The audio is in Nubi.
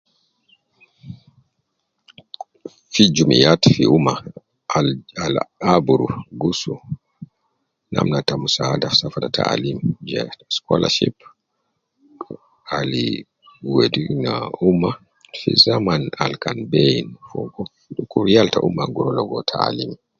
Fi jumiyat fi umma al al aburu gus namna ta musaada safa ta taalim ja scholarship, ali gi wedi na umma fi zaman al kan ben fogo dukur yal te umma gu rua ligo taalim